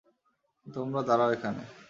তোমরা দাঁড়াও এখানে!